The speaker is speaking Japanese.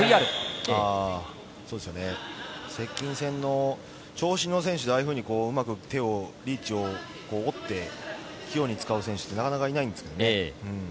接近戦の長身の選手ってああいうふうにうまく手を、リーチを持って器用に使う選手なかなかいないんですけどね。